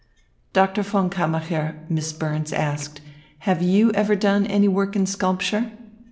"Doctor von Kammacher," Miss Burns asked, "have you ever done any work in sculpture?"